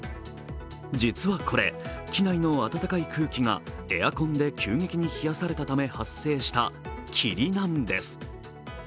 実はこれ、機内の暖かい空気がエアコンで急激に冷やされたため発生した霧なんです。